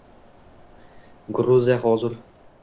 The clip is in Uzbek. Gruziya hozir.